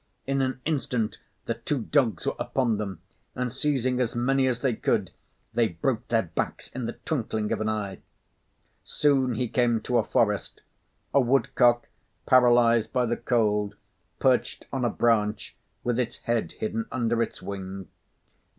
In an instant, the two dogs were upon them, and seizing as many as they could, they broke their backs in the twinkling of an eye. Soon he came to a forest. A woodcock, paralysed by the cold, perched on a branch, with its head hidden under its wing.